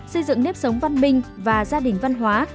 xây dựng nếp sống văn minh và gia đình văn hóa